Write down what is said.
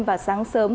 và sáng sớm